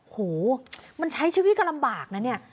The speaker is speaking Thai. โหมันใช้ชีวิตก็ลำบากนะเนี่ย